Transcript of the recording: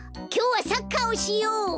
きょうはサッカーをしよう！